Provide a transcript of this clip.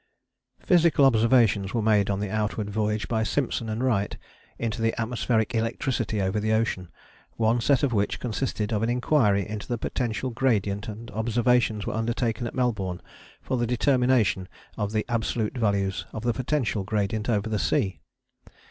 Physical observations were made on the outward voyage by Simpson and Wright into the atmospheric electricity over the ocean, one set of which consisted of an inquiry into the potential gradient, and observations were undertaken at Melbourne for the determination of the absolute value of the potential gradient over the sea.